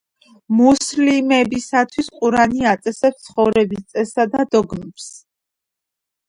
მუსლიმებისთვის ყურანი აწესებს ცხოვრების წესსა და დოგმებს.